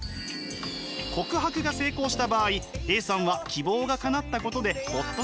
告白が成功した場合Ａさんは希望がかなったことでホッとします。